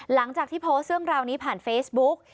หลังจากที่โพสต์เรื่องราวนี้ผ่านเฟซบุ๊ก